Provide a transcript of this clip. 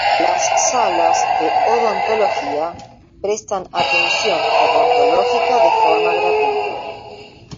Las salas de odontología prestan atención odontológica de forma gratuita.